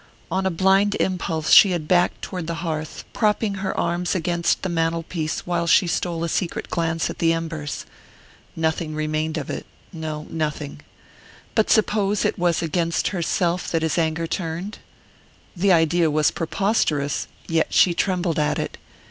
On a blind impulse she had backed toward the hearth, propping her arms against the mantel piece while she stole a secret glance at the embers. Nothing remained of it no, nothing. But suppose it was against herself that his anger turned? The idea was preposterous, yet she trembled at it.